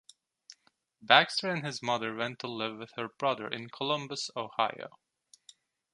Baxter and his mother went to live with her brother in Columbus, Ohio.